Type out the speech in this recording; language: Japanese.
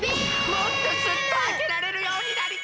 もっとすっとあけられるようになりたい！